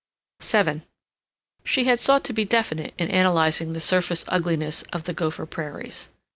VII She had sought to be definite in analyzing the surface ugliness of the Gopher Prairies.